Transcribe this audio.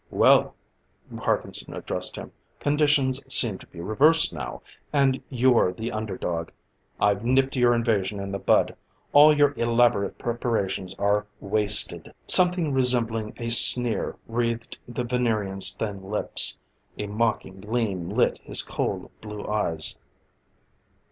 "Well," Parkinson addressed him, "conditions seem to be reversed now, and you're the underdog. I've nipped your invasion in the bud. All your elaborate preparations are wasted." Something resembling a sneer wreathed the Venerian's thin lips; a mocking gleam lit his cold, blue eyes.